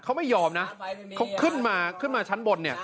เขาไม่ยอมนะเขาขึ้นมาขึ้นมาชั้นบนเนี่ย